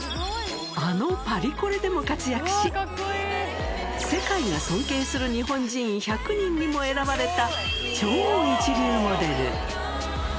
あのパリコレでも活躍し、世界が尊敬する日本人１００人にも選ばれた超一流モデル。